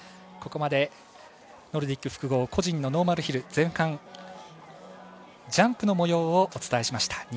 ここまで、ノルディック複合個人のノーマルヒル前半ジャンプのもようをお伝えしました。